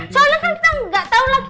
soalnya kan kita gak tau lagi